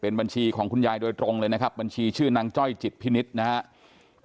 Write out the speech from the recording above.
บัญชีของคุณยายโดยตรงเลยนะครับบัญชีชื่อนางจ้อยจิตพินิษฐ์นะครับ